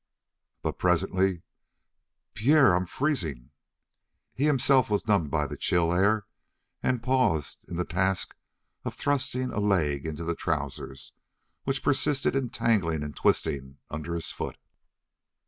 But presently: "P P Pierre, I'm f freezing." He himself was numbed by the chill air and paused in the task of thrusting a leg into the trousers, which persisted in tangling and twisting under his foot.